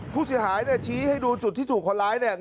ผู้ฉีดหายชี้ให้ดูจุดที่ถูกคนร้ายเนี่ย